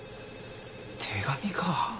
手紙か。